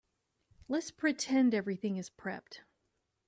Let's pretend everything is prepped.